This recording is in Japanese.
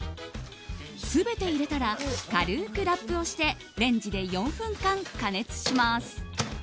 全て入れたら軽くラップをしてレンジで４分間加熱します。